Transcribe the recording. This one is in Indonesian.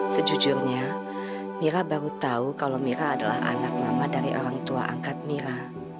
sejujurnya mira baru tahu kalau mira adalah anak mama dari orang tua angkat mira